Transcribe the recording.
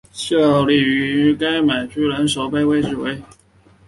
效力于读卖巨人守备位置为。